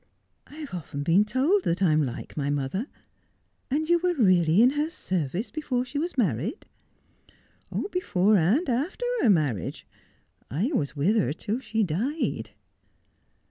' I have often been told I am like my mother. And you were really in her service before she was married l ' In Tangley Wood. 219 ' Before and after her marriage. I was with her till she died.'